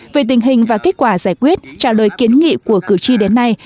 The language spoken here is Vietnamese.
về tình hình và kết quả giải quyết trả lời kiến nghị của cử tri đến nay